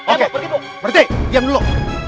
oke berhenti diam dulu